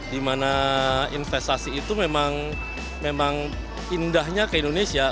dimana investasi itu memang indahnya ke indonesia